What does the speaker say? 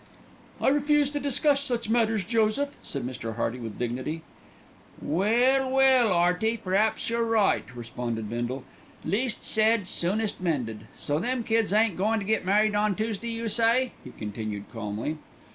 "I refuse to discuss such matters, Joseph," said Mr. Hearty with dignity. "Well, well, 'Earty! p'raps you're right," responded Bindle. "Least said, soonest mended. So them kids ain't goin' to get married on Toosday, you say," he continued calmly.